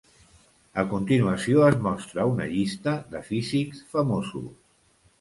A continuació es mostra una llista de físics famosos.